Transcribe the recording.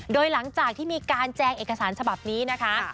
โดยหลังจากที่มีการแจงเอกสารฉบับนี้นะคะ